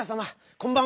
こんばんは。